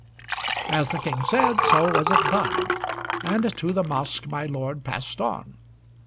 As the King said, so was it done, And to the mosque my lord passed on.